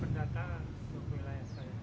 belum ada pendatangan